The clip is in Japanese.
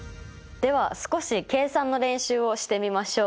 では少し計算の練習をしてみましょう。